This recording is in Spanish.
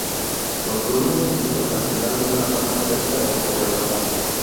Construyen su nido al final de una rama cerca o sobre el agua.